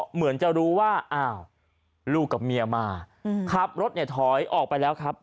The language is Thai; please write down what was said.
เหมือนจะรู้ว่าอ้าวลูกกับเมียมาขับรถเนี่ยถอยออกไปแล้วครับ